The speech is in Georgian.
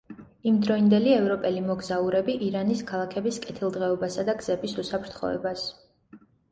იმდროინდელი ევროპელი მოგზაურები ირანის ქალაქების კეთილდღეობასა და გზების უსაფრთხოებას.